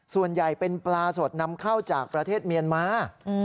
ส่วนใหญ่เป็นปลาสดนำเข้าจากประเทศเมียนมา